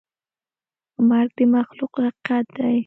مرګ د مخلوق حقیقت دی.